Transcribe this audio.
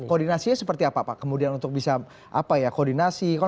koordinasinya seperti apa pak kemudian untuk bisa koordinasi